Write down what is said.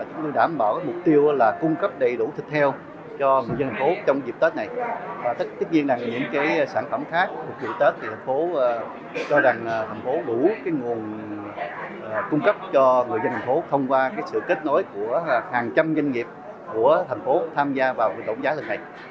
thông qua sự kết nối của hàng trăm doanh nghiệp của tp hcm tham gia vào ổn định giá thịt này